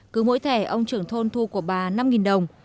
cứ mỗi thẻ ông trưởng thôn thu của bà năm đồng